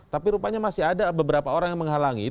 tapi rupanya masih ada beberapa orang yang menghalangi